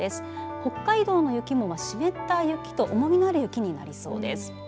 北海道の雪も湿った雪と重みのある雪になりそうです。